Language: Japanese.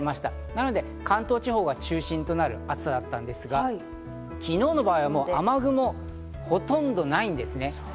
なので関東地方が中心となる暑さだったんですが、昨日の場合は雨雲がほとんどないんですね。